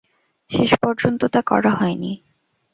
শেষ পর্যন্ত তা করা হয় নি।